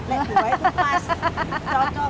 lek dua itu pas